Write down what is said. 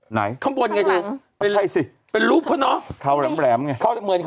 ไหนข้างหลังเป็นรูปเหรอเขาแหลมไง